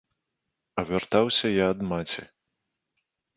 А вяртаўся я ад маці.